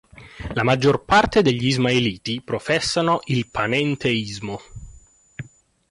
La maggior parte degli Ismailiti professano il panenteismo.